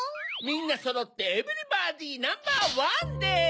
みんなそろってエブリバディナンバーワンです！